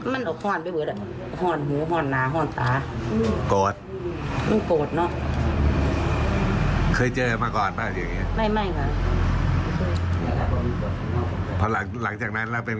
มันบอกว่าไม่ไม่ทำแล้ว